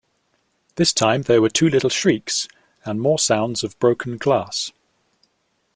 This time there were two little shrieks, and more sounds of broken glass.